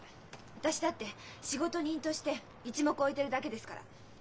私だって仕事人として一目置いてるだけですから。